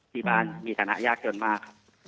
พี่บ้านมีสนาคยากโจทย์มาก